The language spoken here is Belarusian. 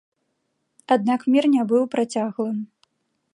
Аднак мір не быў працяглым.